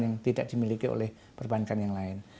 yang tidak dimiliki oleh perbankan yang lain